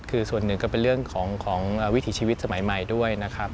คือส่วนหนึ่งก็เป็นเรื่องของวิถีชีวิตสมัยใหม่ด้วยนะครับ